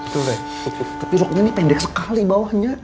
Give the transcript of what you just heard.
tapi roknya ini pendek sekali bawahnya